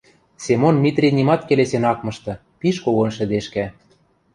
Семон Митри нимат келесен ак мышты, пиш когон шӹдешкӓ